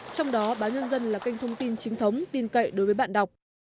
trong đó báo nhân dân là kênh thông tin chính thống tin cậy đối với bạn đọc